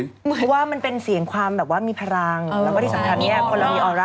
เพราะว่ามันเป็นเสียงความมีพลังแล้วก็ที่สำคัญคนเรามีออร่า